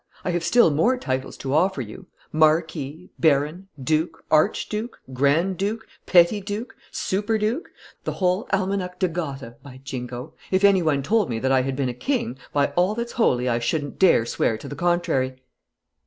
I have still more titles to offer you: marquis, baron, duke, archduke, grand duke, petty duke, superduke the whole 'Almanach de Gotha,' by Jingo! If any one told me that I had been a king, by all that's holy, I shouldn't dare swear to the contrary!"